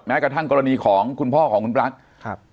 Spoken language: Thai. กระทั่งกรณีของคุณพ่อของคุณปลั๊กครับ